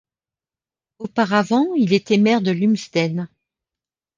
Auparavant il était maire de Lumsden.